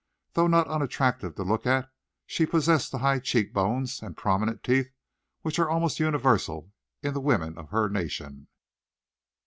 Though not unattractive to look at, she possessed the high cheekbones and prominent teeth which are almost universal in the women of her nation.